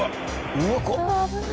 うわっ怖っ！